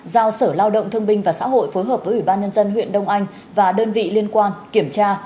giao sở lao động thương binh và xã hội phối hợp với ủy ban nhân dân huyện đông anh và đơn vị liên quan kiểm tra